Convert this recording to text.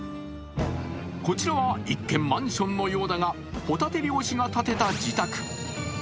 こちらは一見、マンションのようだが、ホタテ漁師が建てた自宅。